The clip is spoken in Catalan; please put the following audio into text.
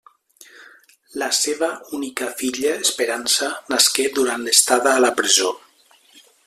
La seva única filla, Esperança, nasqué durant l'estada a la presó.